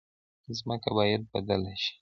ځمکه باید بدله شي.